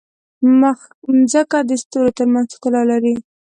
مځکه د ستورو ترمنځ ښکلا لري.